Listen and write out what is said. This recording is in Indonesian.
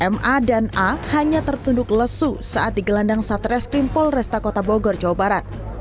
m a dan a hanya tertunduk lesu saat digelandang satres krimpol restakota bogor jawa barat